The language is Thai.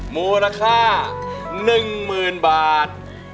มูลค่า๑หมื่นบาท